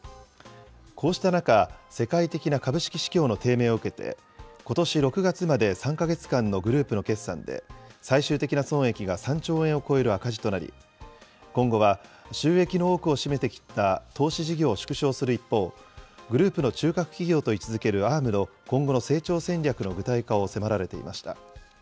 こうした中、世界的な株式市況の低迷を受けて、ことし６月まで３か月間のグループの決算で、最終的な損益が３兆円を超える赤字となり、今後は収益の多くを占めてきた投資事業を縮小する一方で、グループの中核企業と位置づけるＡｒｍの今後の成長戦略の具体化を迫られていました。